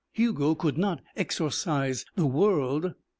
Hugo could not exorcise the world.